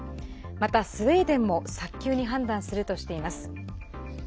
また、スウェーデンも早急に判断するとしています。